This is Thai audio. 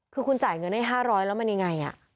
คือคุณจ่ายเงินให้๕๐๐แล้วมันยังไง